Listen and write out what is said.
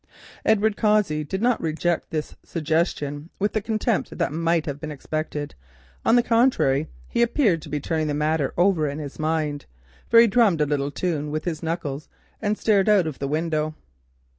Edward Cossey did not reject this suggestion with the contempt that might have been expected; on the contrary he appeared to be turning the matter over in his mind, for he drummed a little tune with his knuckles and stared out of the window.